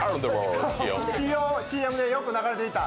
ＣＭ でよく流れていた